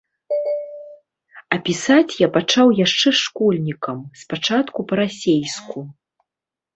А пісаць я пачаў яшчэ школьнікам, спачатку па-расейску.